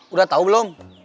udah tau belum